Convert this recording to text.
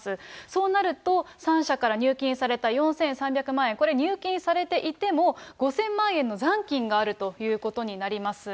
そうなると、３社から入金された４３００万円、これ、入金されていても５０００万円の残金があるということになります。